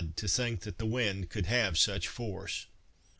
to think that the wind could have such force!